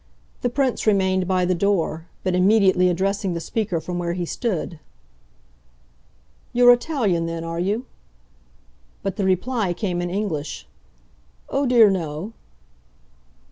The Prince remained by the door, but immediately addressing the speaker from where he stood. "You're Italian then, are you?" But the reply came in English. "Oh dear no."